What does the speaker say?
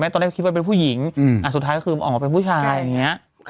ตอนแรกเป็นผู้หญิงสุดท้ายก็คือออกมาเป็นผู้ชาย